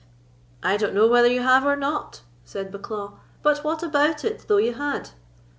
"I don't know whether you have or not," said Bucklaw; "but what about it, though you had?"